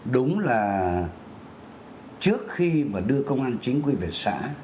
đúng là trước khi mà đưa công an chính quy về xã